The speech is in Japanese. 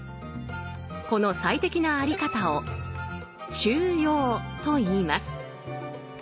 この最適なあり方を「中庸」といいます。